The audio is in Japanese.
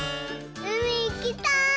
うみいきたい！